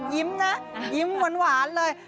ยิ้มนะยิ้มหวานเลย